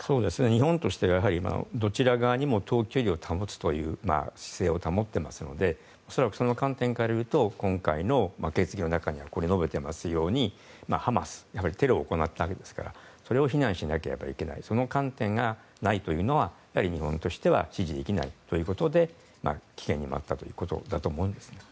日本としてはどちら側にも等距離を保つという姿勢を保っていますので恐らくその観点からいうと今回の決議の中で述べていますようにハマスはテロを行ったわけですからそれを非難しなければいけないその観点がないというのは日本としては支持できないということで棄権に回ったということだと思うんですね。